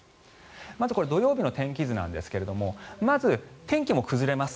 まず土曜日の天気図ですがまず、天気も崩れます。